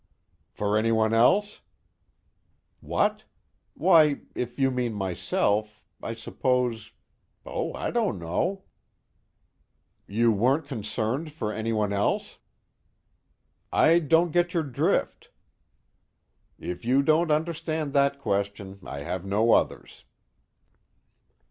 "For anyone else?" "What? Why, if you mean myself, I suppose oh, I don't know." "You weren't concerned for anyone else?" "I don't get your drift." "If you don't understand that question, I have no others."